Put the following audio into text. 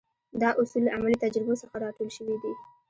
دا اصول له عملي تجربو څخه را ټول شوي دي.